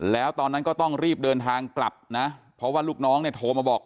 แล้วตอนนั้นก็ต้องรีบเดินทางกลับนะเพราะว่าลูกน้องเนี่ยโทรมาบอก